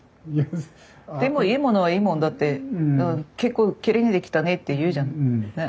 でもいいものはいいもんだって結構きれいに出来たねって言うじゃん。ね。